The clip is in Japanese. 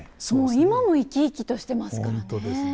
今も生き生きとしてますからね。